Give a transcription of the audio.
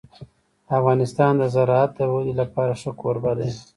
افغانستان د زراعت د ودې لپاره ښه کوربه دی.